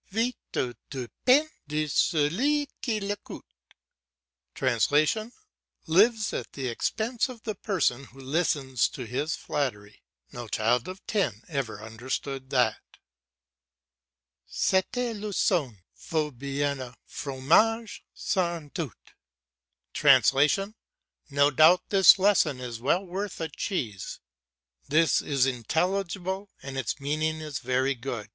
"Vit au depens de celui qui l'ecoute" ("Lives at the expense of the person who listens to his flattery"). No child of ten ever understood that. "Ce lecon vaut bien un fromage, sans doute" ("No doubt this lesson is well worth a cheese"). This is intelligible and its meaning is very good.